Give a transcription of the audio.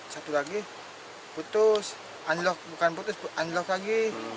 satu lagi putus unlock bukan putus unlock lagi